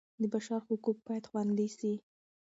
د بشر حقوق باید خوندي سي.